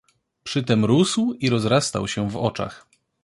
"Przytem rósł i rozrastał się w oczach."